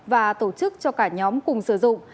và tổ chức cho cả nhóm cùng sử dụng